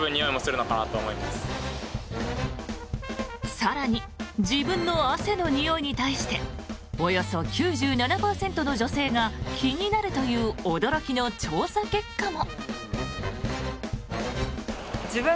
更に、自分の汗においに対しておよそ９７％の女性が気になるという驚きの調査結果も。